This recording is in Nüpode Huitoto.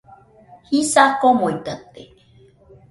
Jisa komuitate